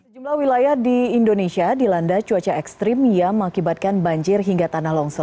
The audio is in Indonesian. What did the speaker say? sejumlah wilayah di indonesia dilanda cuaca ekstrim yang mengakibatkan banjir hingga tanah longsor